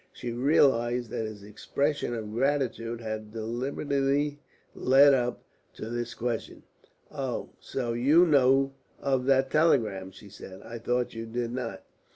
She realised that his expression of gratitude had deliberately led up to this question. "Oh, so you knew of that telegram," she said. "I thought you did not."